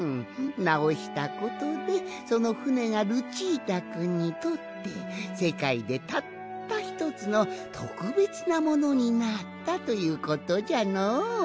なおしたことでそのふねがルチータくんにとってせかいでたったひとつのとくべつなものになったということじゃのう。